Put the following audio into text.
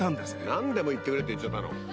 「何でも言ってくれ」って言っちゃったの？